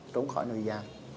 trốn khỏi người già